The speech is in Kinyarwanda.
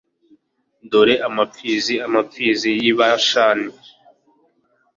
dore amapfizi amapfizi y’i Bashani